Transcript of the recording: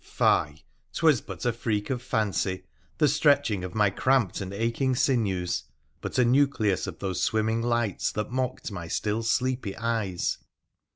Fie ! 'twas but a freak of fancy, the stretching of my cramped and aching sinews, but a nucleus of those swimming lights that mocked my still sleepy eyes